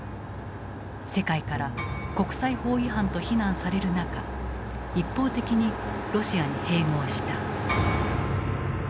世界から「国際法違反」と非難される中一方的にロシアに併合した。